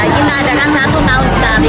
kita adakan satu tahun sekali